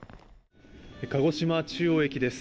鹿児島中央駅です。